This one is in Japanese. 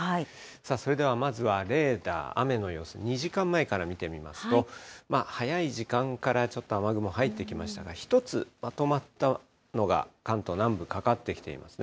それではまずはレーダー、雨の様子、２時間前から見てみますと、早い時間からちょっと雨雲、入ってきましたが、１つ、まとまったのが関東南部、かかってきていますね。